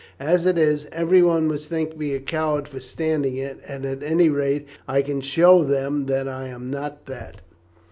As it is, everyone must think me a coward for standing it, and at any rate I can show them that I am not that."